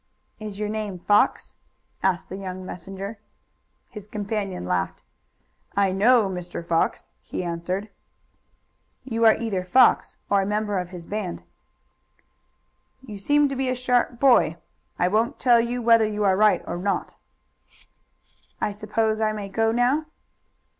"Is your name Fox?" asked the young messenger. His companion laughed. "I know Mr. Fox," he answered. "You are either Fox or a member of his band." "You seem to be a sharp boy; I won't tell you whether you are right or not." "I suppose I may go now?"